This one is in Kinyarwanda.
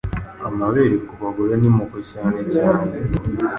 amabere ku bagore n’imoko cyane cyane…